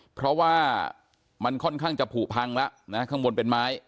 เพราะว่ามันค่อนข้างจะผูพังแล้วนะข้างบนเป็นไม้